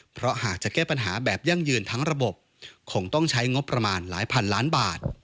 เพราะหากจะแก้ปัญหาแบบยั่งยืนทั้งระบบคงต้องใช้งบประมาณหลายพันล้านบาท